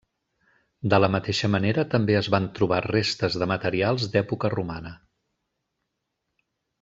De la mateixa manera també es van trobar restes de materials d'època romana.